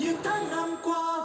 những tháng năm qua